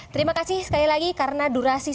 terima kasih sekali lagi karena durasi